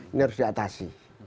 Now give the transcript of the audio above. ini harus diatasi